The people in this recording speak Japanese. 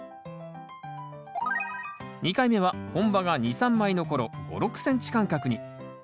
２回目は本葉が２３枚の頃５６ｃｍ間隔に。